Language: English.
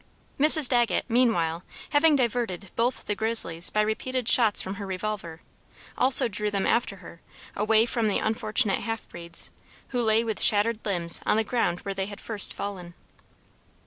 Mrs. Dagget meanwhile, having diverted both the grizzlies by repeated shots from her revolver, also drew them after her, away from the unfortunate half breeds, who lay with shattered limbs on the ground where they had first fallen.